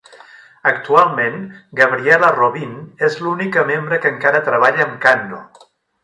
Actualment, Gabriela Robin és l'única membre que encara treballa amb Kanno.